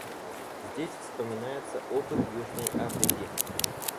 Здесь вспоминается опыт Южной Африки.